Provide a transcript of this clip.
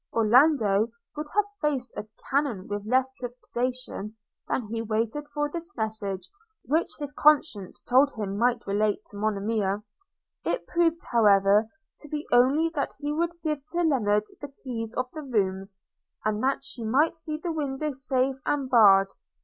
Orlando would have faced a cannon with less trepidation than he waited for this message, which his conscience told him might relate to Monimia. It proved, however, to be only that he would give to Lennard the keys of the rooms; and that she might see the window safe and barred.